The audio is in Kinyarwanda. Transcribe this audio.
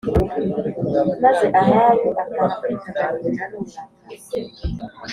Maze Ahabu ataha afite agahinda n uburakari